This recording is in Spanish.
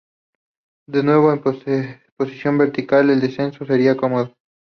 De nuevo en posición vertical, el descenso sería cómodo.